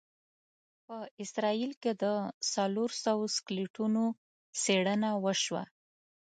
په اسرایل کې د څلوروسوو سکلیټونو څېړنه وشوه.